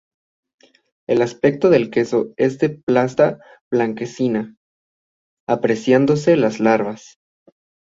El aspecto del queso es de pasta blanquecina, apreciándose las larvas.